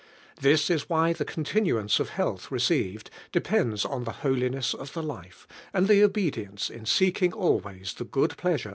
This is why tbe continuance of health received de pends on Die holiness of the life, and the obedience in socking always the good pleasure o!'